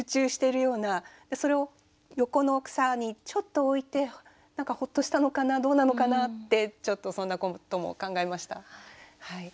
それを横の草にちょっと置いて何かホッとしたのかなどうなのかなってちょっとそんなことも考えました。